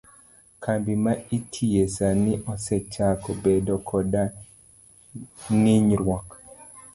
Kambi ma itiye sani osechako bedo koda ng'ikruok?